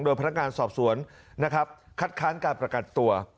โดยพนักงานสอบสวนนะครับคัดค้านการประกันตัว